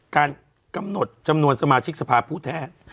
การกำหนดจำนวนสมาชิกสภาพผู้แทน